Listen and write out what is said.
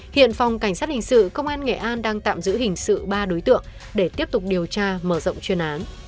hiện phòng cảnh sát hình sự công an nghệ an đang tạm giữ hình sự ba đối tượng để tiếp tục điều tra mở rộng chuyên án